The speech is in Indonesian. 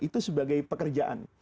itu sebagai pekerjaan